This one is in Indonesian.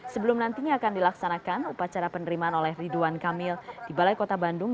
sebelum nantinya akan dilaksanakan upacara penerimaan oleh ridwan kamil di balai kota bandung